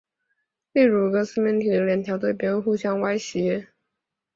例如一个四面体的两条对边互相歪斜。